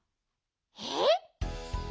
えっ？